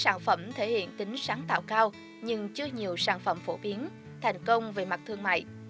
sản phẩm thể hiện tính sáng tạo cao nhưng chưa nhiều sản phẩm phổ biến thành công về mặt thương mại